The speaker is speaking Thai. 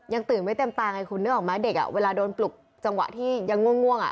ตื่นไม่เต็มตาไงคุณนึกออกไหมเด็กเวลาโดนปลุกจังหวะที่ยังง่วง